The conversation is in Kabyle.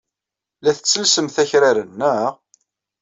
La tettellsemt akraren, naɣ?